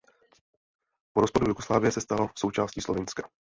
Po rozpadu Jugoslávie se stalo součástí Slovinska.